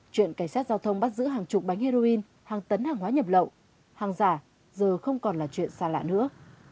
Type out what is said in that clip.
chuyện cảnh sát giao thông bắt giữ hàng chục bánh heroin hàng tấn hàng hóa nhập lậu hàng giả giờ không còn là chuyện xa lạ nữa